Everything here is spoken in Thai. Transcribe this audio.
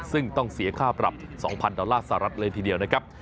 ซึ่งต้องเสียค่าปรับ๒๐๐ดอลลาร์สหรัฐเลยทีเดียวนะครับ